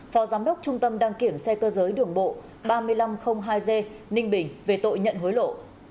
phó giám đốc trung tâm đăng kiểm xe cơ giới đường bộ ba nghìn năm trăm linh hai g ninh bình về tội nhận hối lộ